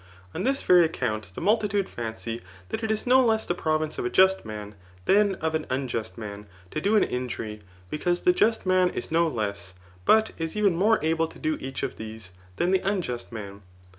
On this very account the multitude fancy that it is no less the province of a just [than of an unjust] man, to do an injury ; because the just man is no less, but is even more able to do each of these, [jthan the unjust man.